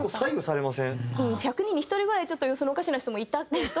１００人に１人ぐらいちょっと様子のおかしな人もいたけど。